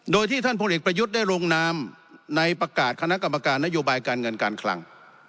โดยที่ท่านพลเอกประยุทธ์ได้ลงนามในประกาศคณะกรรมการนโยบายการเงินการคลัง